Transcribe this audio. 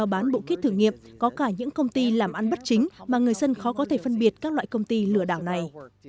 bán bộ kít thử nghiệm có cả những công ty làm ăn bất chính mà người dân khó có thể phân biệt các loại công ty lừa đảo này